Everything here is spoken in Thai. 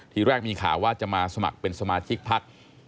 ทีแรกมีข่าวว่าจะมาสมัครเป็นสมาชิกพัก